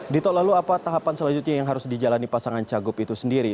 dito lalu apa tahapan selanjutnya yang harus dijalani pasangan cagup itu sendiri